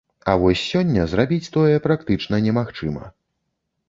А вось сёння зрабіць тое практычна не магчыма.